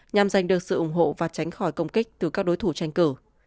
nhằm giành được sự ủng hộ và tránh khỏi công kích từ các đối thủ tranh cử